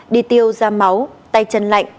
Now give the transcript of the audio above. đi tiêu da máu tay chân lạnh